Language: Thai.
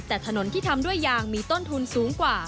แต่ถนนที่ทำด้วยยางมีต้นทุนสูงกว่า